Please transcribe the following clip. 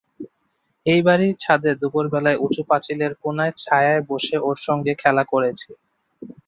এই বাড়ির ছাদে দুপুরবেলায় উঁচু পাঁচিলের কোণের ছায়ায় বসে ওঁর সঙ্গে খেলা করেছি।